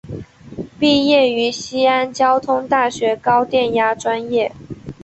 毕业于西安交通大学高电压专业。